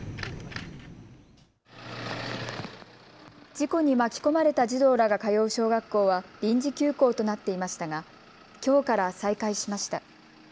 事故に巻き込まれた児童らが通う小学校は臨時休校となっていましたが、きょうから再開しました。